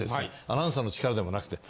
アナウンサーの力でもなくて。